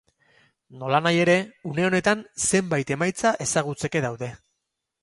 Nolanahi ere, une honetan, zenbait emaitza ezagutzeke daude.